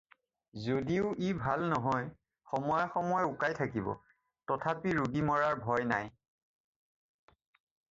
যদিও ই ভাল নহয়, সময়ে সময়ে উকাই থাকিব, তথাপি ৰোগী মৰাৰ ভয় নাই।